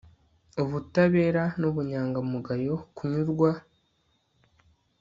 ubutabera n'ubunyangamugayo, kunyurwa